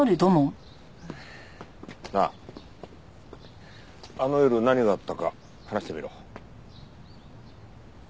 なああの夜何があったか話してみろ。